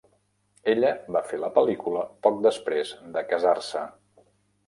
Ella va fer la pel·lícula poc després de casar-se.